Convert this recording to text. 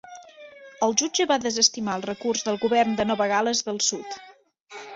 El jutge va desestimar el recurs del govern de Nova Gal·les del Sud.